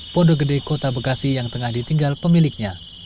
pondegede kota bekasi yang tengah ditinggal pemiliknya